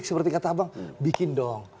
seperti kata abang bikin dong